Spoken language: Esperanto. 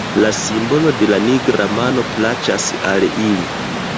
La simbolo de la nigra mano plaĉas al ili.